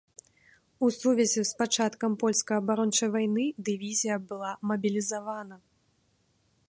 У сувязі з пачаткам польскай абарончай вайны дывізія была мабілізавана.